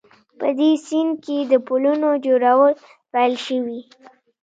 په دې سیند کې د پلونو جوړول پیل شوي